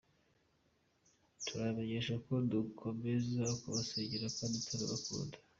Turabamenyesha ko dukomeje kubasengera kandi turabakunda.